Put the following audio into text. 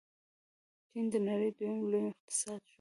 چین د نړۍ دویم لوی اقتصاد شو.